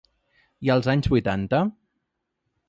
I als anys vuitanta?